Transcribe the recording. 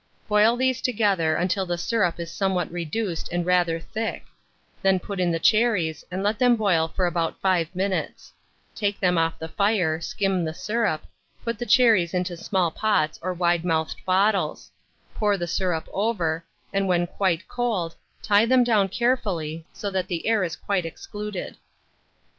Boil these together until the syrup is somewhat reduced and rather thick; then put in the cherries, and let them boil for about 5 minutes; take them off the fire, skim the syrup, put the cherries into small pots or wide mouthed bottles; pour the syrup over, and when quite cold, tie them down carefully, so that the air is quite excluded.